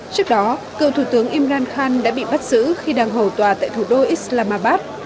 trước đó cựu thủ tướng imran khan đã bị bắt giữ khi đang hầu tòa tại thủ đô islamabad